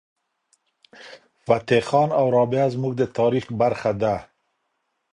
فتح خان او رابعه زموږ د تاریخ برخه ده.